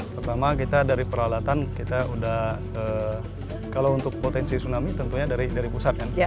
pertama kita dari peralatan kita udah kalau untuk potensi tsunami tentunya dari pusat kan